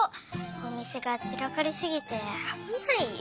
おみせがちらかりすぎてあぶないよ。